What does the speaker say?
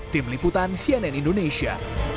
tim liputan cnn indonesia